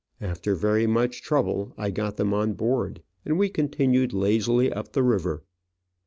After very much trouble I got them on board, and we continued lazily up the river.